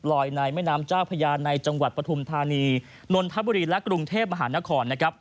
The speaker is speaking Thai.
ในแม่น้ำเจ้าพญาในจังหวัดปฐุมธานีนนทบุรีและกรุงเทพมหานครนะครับ